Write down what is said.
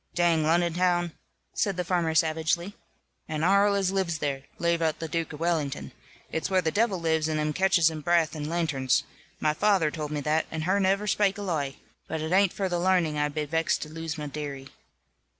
"Dang Lonnon town," said the farmer, savagely, "and arl as lives there, lave out the Duke of Wellington. It's where the devil lives, and 'em catches his braath in lanterns. My faather tould me that, and her niver spak a loi. But it hain't for the larning I be vexed to lose my dearie."